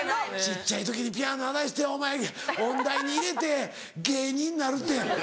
小っちゃい時にピアノ習わせて音大に入れて芸人になるって。